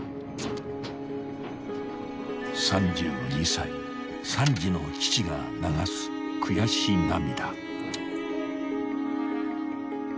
［３２歳３児の父が流す悔し涙］